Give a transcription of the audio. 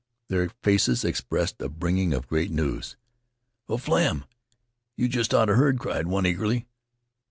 Their faces expressed a bringing of great news. "O Flem, yeh jest oughta heard!" cried one, eagerly.